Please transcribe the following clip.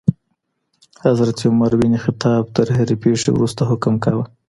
حضرت عمر بن خطاب تر هرې پېښي وروسته حکم کاوه.